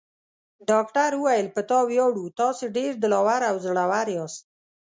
ډاکټر وویل: په تا ویاړو، تاسي ډېر دل اور او زړور یاست.